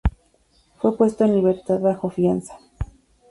Fue puesto en libertad bajo fianza.